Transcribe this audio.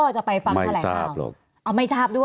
จะไปฟังแถลงเราไม่ทราบหรอก